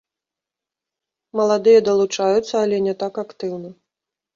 Маладыя далучаюцца, але не так актыўна.